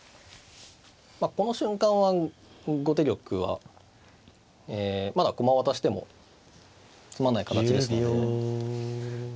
この瞬間は後手玉はえまだ駒渡しても詰まない形ですので。